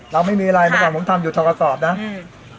เราไม่มีอะไรตอนก่อนผมทำอยู่ทะกะซอบนะครับ